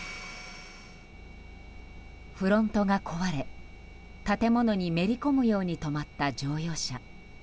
フロントが壊れ、建物にめり込むように止まった乗用車。